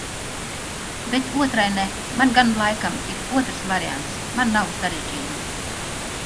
Bet otrai ne. Man gan laikam ir otrs variants-man nav sarežģījumu.